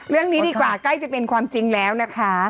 เรื่องนี้ดีกว่าใกล้จะเป็นความจริงแล้วนะคะ